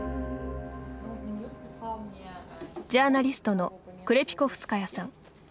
ジャーナリストのクレピコフスカヤさん。